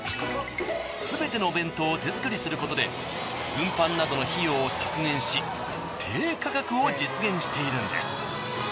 全てのお弁当を手作りすることで運搬などの費用を削減し低価格を実現しているんです。